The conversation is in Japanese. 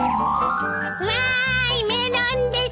わーいメロンです！